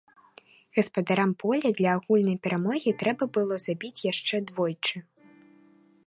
Гаспадарам поля для агульнай перамогі трэба было забіць яшчэ двойчы.